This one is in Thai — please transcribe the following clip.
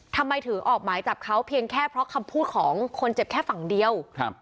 ทำไมถึงออกหมายจับเขาเพียงแค่เพราะคำพูดของคนเจ็บแค่ฝั่งเดียวครับ